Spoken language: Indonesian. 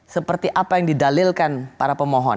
seperti apa yang didalilkan para pemohon